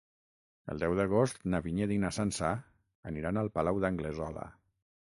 El deu d'agost na Vinyet i na Sança aniran al Palau d'Anglesola.